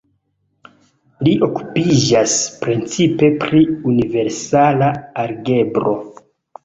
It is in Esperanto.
Li okupiĝas precipe pri universala algebro.